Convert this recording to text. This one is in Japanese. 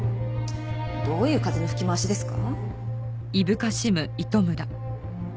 どういう風の吹き回しですか？